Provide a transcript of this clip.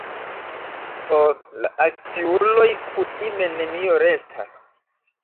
Por la akciuloj kutime nenio restas.